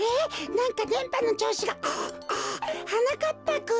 なんかでんぱのちょうしが。はなかっぱくん？